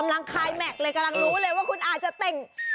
กำลังคลัยแม็กซ์เลยกำลังรู้เลยว่าคุณอาจะเต้ง